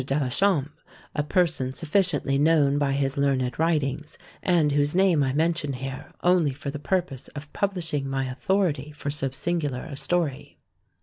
d'Alechamps, a person sufficiently known by his learned writings, and whose name I mention here only for the purpose of publishing my authority for so singular a story.